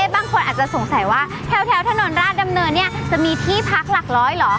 บางคนอาจจะสงสัยว่าแถวถนนราชดำเนินเนี่ยจะมีที่พักหลักร้อยเหรอ